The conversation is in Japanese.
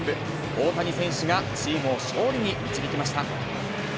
大谷選手がチームを勝利に導きました。